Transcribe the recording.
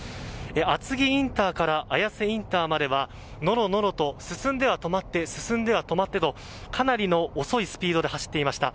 厚木インターから綾瀬インターまではのろのろと進んでは止まって進んでは止まってとかなりの遅いスピードで走っていました。